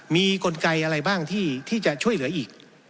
มีกลไกอะไรบ้างที่จะช่วยเหลืออีก